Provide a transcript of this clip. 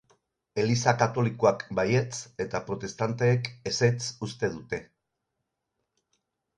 Eliza Katolikoak baietz eta protestanteek ezetz uste dute.